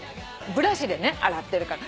ブラシで洗ってるから。